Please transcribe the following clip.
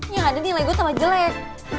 yang gak ada nilai gue tambah jelek